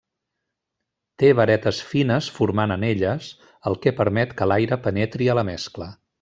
Té varetes fines formant anelles, el que permet que l'aire penetri a la mescla.